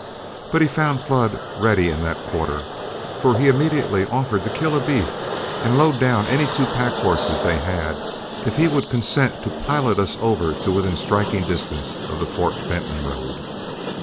But he found Flood ready in that quarter, for he immediately offered to kill a beef and load down any two pack horses they had, if he would consent to pilot us over to within striking distance of the Fort Benton road.